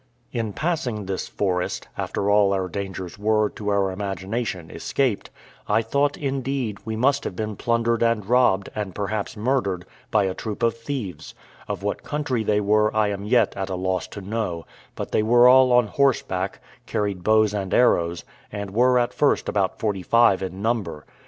In passing this forest (after all our dangers were, to our imagination, escaped), I thought, indeed, we must have been plundered and robbed, and perhaps murdered, by a troop of thieves: of what country they were I am yet at a loss to know; but they were all on horseback, carried bows and arrows, and were at first about forty five in number.